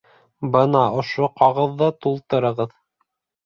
Бына ошо ҡағыҙҙы тултырығыҙ.